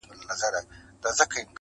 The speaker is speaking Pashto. د هغه ورځي څه مي,